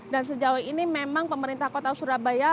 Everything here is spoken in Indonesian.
dan sejauh ini memang pemerintah kota surabaya